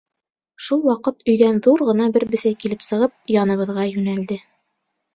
Шул ваҡыт өйҙән ҙур ғына бер бесәй килеп сығып, яныбыҙға йүнәлде.